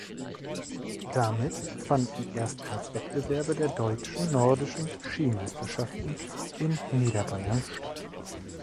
Damit fanden erstmals Wettbewerbe der deutschen nordischen Skimeisterschaften in Niederbayern statt.